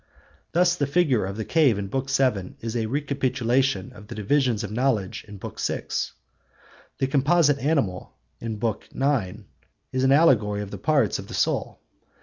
Thus the figure of the cave in Book VII is a recapitulation of the divisions of knowledge in Book VI. The composite animal in Book IX is an allegory of the parts of the soul.